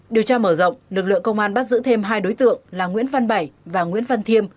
điều tra mở rộng lực lượng công an bắt giữ thêm hai đối tượng là nguyễn văn bảy và nguyễn văn thiêm